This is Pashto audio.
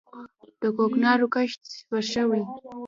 د کوکنارو کښت صفر شوی؟